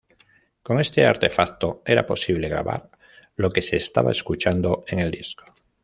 Con este artefacto era posible grabar lo que se estaba escuchando en el disco.